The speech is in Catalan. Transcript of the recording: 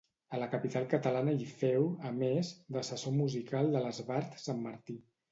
A la capital catalana hi féu, a més, d'assessor musical de l'Esbart Sant Martí.